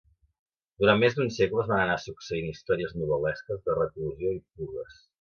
Durant més d'un segle es van anar succeint històries novel·lesques de reclusió i fugues.